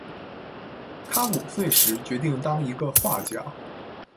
她五岁时决定当一个画家。